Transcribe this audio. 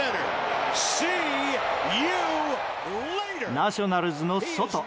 ナショナルズのソト。